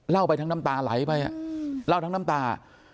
ไปทั้งน้ำตาไหลไปเล่าทั้งน้ำตา